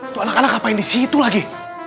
itu anak anak ngapain di situ lagi